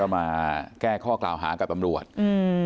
มาแก้ข้อกล่าวหากับตำรวจอืม